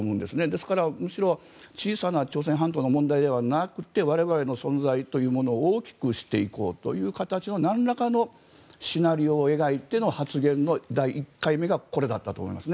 ですから、むしろ小さな朝鮮半島の問題ではなくて我々の存在というものを大きくしていこうという形のなんらかのシナリオを描いての発言の第１回目がこれだったと思います。